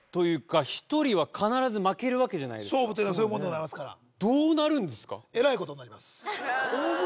勝負というのはそういうもんでございますからどうなるんですか？